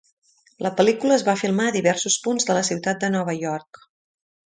La pel·lícula es va filmar a diversos punts de la ciutat de Nova York.